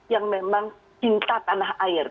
yang memang cinta tanah air